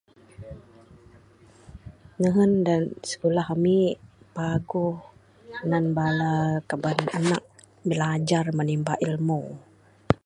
Nehun da skulah amik paguh nan bala kaban anak bilajar menimba ilmu.